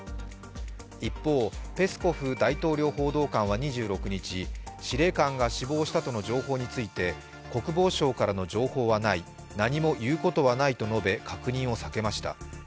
一方、ペスコフ大統領補佐官は２６日、司令官が死亡したとの情報について国防省からの情報はない、何も言うことはないと述べ、確認を避けました。